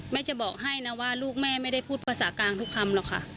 จะบอกให้นะว่าลูกแม่ไม่ได้พูดภาษากลางทุกคำหรอกค่ะ